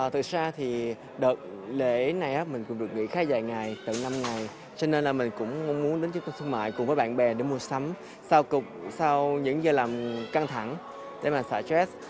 thực ra thì đợt lễ này mình cũng được nghỉ khá dài ngày tận năm ngày cho nên là mình cũng muốn đến trung tâm thương mại cùng với bạn bè để mua sắm sau những giờ làm căng thẳng để mà sợ stress